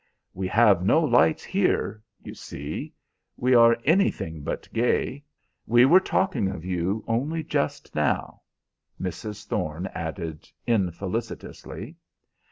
"We have no lights here, you see; we are anything but gay. We were talking of you only just now," Mrs. Thorne added infelicitously.